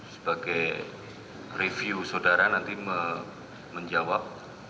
sebagai review saudara nanti menjawab